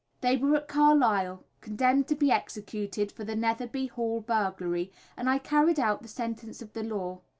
They were at Carlisle, condemned to be executed for the Netherby Hall burglary, and I carried out the sentence of the law.